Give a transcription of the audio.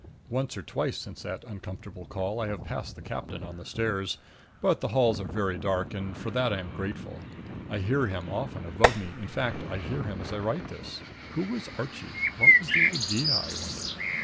Once or twice since that uncomfortable call I have passed the captain on the stairs; but the halls are very dark, and for that I am grateful. I hear him often above me; in fact, I hear him as I write this. Who was Archie? What was the idea? I wonder.